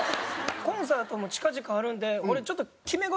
コンサートも近々あるので俺ちょっと決め事